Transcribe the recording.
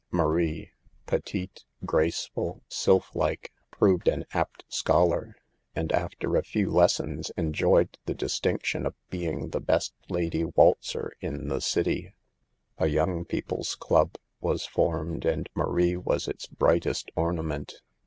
Marie, petite^ graceful, sylph like, proved an apt scholar, and after a few lessons enjoyed the distinction of being the best lady waltzer in the city. A THE EVILS OF DANCING. 59 young people's club was formed and Marie was its brightest ornament.